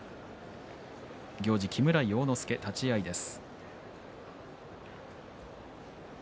木村要之助、立ち合いです。